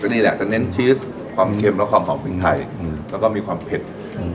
นี่แหละจะเน้นชีสความเค็มและความหอมพริกไทยอืมแล้วก็มีความเผ็ดอืม